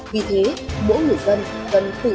vì thế mỗi người dân cần tự trang bị cho mình